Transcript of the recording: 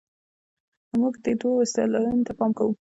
موږ دې دوو استدلالونو ته پام کوو.